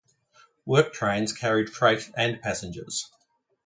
Work trains carried freight and passengers.